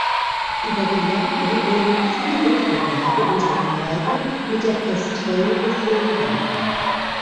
Über die Jahre wurden viele Wettbewerbe und Rekorde mit der Kestrel geflogen.